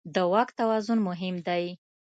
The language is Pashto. د واک توازن مهم دی.